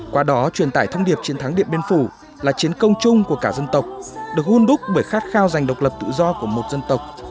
qua đó truyền tải thông điệp chiến thắng điện biên phủ là chiến công chung của cả dân tộc được hôn đúc bởi khát khao giành độc lập tự do của một dân tộc